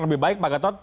lebih baik pak gatot